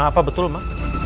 ma apa betul ma